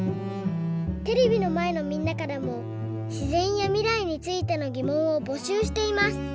テレビのまえのみんなからもしぜんやみらいについてのぎもんをぼしゅうしています。